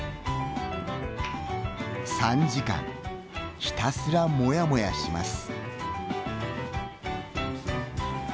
３時間、ひたすらモヤモヤします。